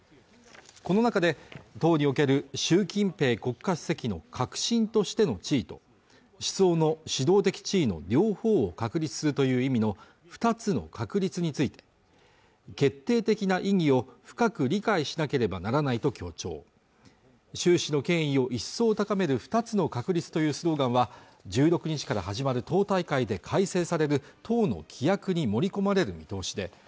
この中で党における習近平国家主席の核心としての地位と思想の指導的地位の両方を確立するという意味の二つの確立について決定的な意義を深く理解しなければならないと強調習氏の権威を一層高める二つの確立というスローガンは１６日から始まる党大会で改正される党の規約に盛り込まれる見通しです